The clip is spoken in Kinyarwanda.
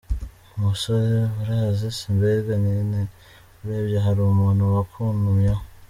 Umusore : Urazi se ? mbega, nyine, urebye hari umuntu wakuntumyeho,.